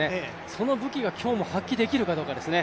その武器が今日も発揮できるかどうかですね。